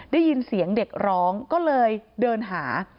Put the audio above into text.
ได้ยินเสียงเด็กร้องก็เลยเดินหา